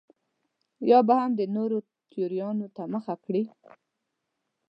یا به هم د نورو تیوریانو ته مخه کړي.